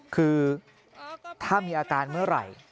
คือถ้ามีอาการเมื่อไหร่